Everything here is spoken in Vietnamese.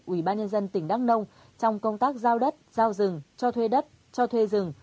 ủy ban nhân dân tỉnh đắk nông trong công tác giao đất giao rừng cho thuê đất cho thuê rừng